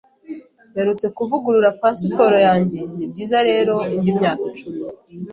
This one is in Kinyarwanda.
Mperutse kuvugurura pasiporo yanjye, nibyiza rero indi myaka icumi.